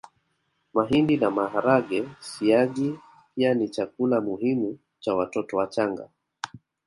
Mahindi na maharage Siagi pia ni chakula muhimu cha watoto wachanga